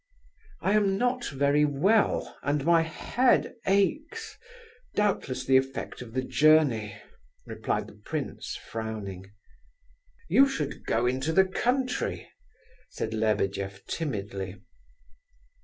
"I am not very well, and my head aches. Doubtless the effect of the journey," replied the prince, frowning. "You should go into the country," said Lebedeff timidly.